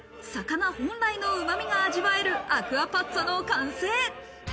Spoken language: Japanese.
魚本来のうまみが味わえるアクアパッツァの完成。